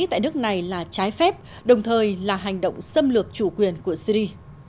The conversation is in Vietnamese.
tại nước này là trái phép đồng thời là hành động xâm lược chủ quyền của syri